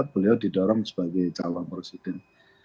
beliau didorong sebagai calon presiden